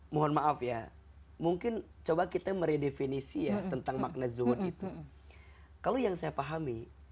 mohon maaf ya mungkin coba kita meredefinisi ya tentang makna zuhud itu kalau yang saya pahami